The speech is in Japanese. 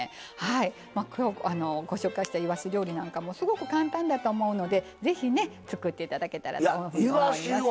きょう、ご紹介したいわし料理なんかもすごく簡単だと思うので、ぜひ作っていただけたらなと思います。